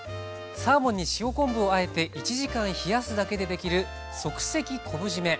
サーモンに塩昆布をあえて１時間冷やすだけで出来る即席昆布じめ。